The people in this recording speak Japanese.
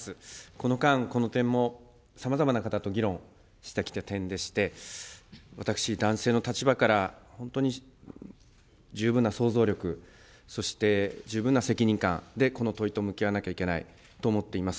この間、この点も、さまざまな方と議論してきた点でして、私、男性の立場から本当に十分な創造力、そして十分な責任感でこの問いと向き合わなければいけないと思っています。